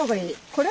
これ？